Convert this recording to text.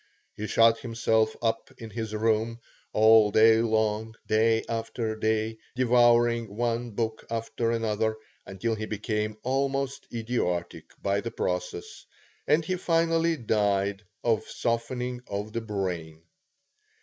He shut himself up in his room, all day long, day after day, devouring one book after another, until he became almost idiotic by the process, and he finally died of softening of the brain.